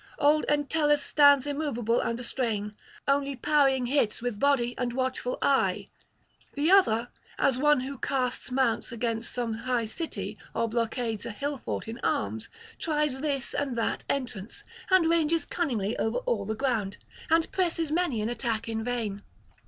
Old Entellus stands immoveable and astrain, only parrying hits with body and watchful eye. The other, as one who casts mounts against some high city or blockades a hill fort in arms, tries this and that entrance, and ranges cunningly over all the ground, and presses many an attack in vain.